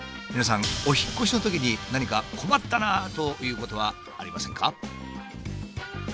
皆さんお引っ越しのときに何か困ったなあということはありませんか？